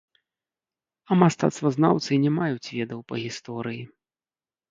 А мастацтвазнаўцы не маюць ведаў па гісторыі.